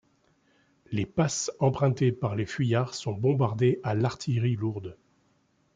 Les passes empruntées par les fuyards sont bombardées à l'artillerie lourde.